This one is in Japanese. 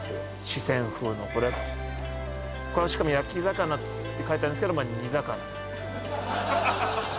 四川風のこれこれしかも焼き魚って書いてあるんですけど煮魚なんですね